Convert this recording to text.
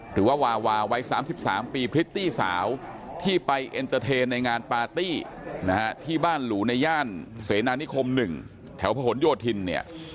หรือว่าวาวาวัย๓๓ปีพริตตี้สาวที่ไปเอ็นเตอร์เทนในงานปาร์ตี้นะฮะที่บ้านหรูในย่านเสนานิคม๑แถวพะหนโยธินเนี่ย